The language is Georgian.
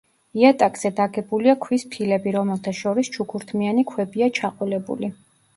იატაკზე დაგებულია ქვის ფილები, რომელთა შორის ჩუქურთმიანი ქვებია ჩაყოლებული.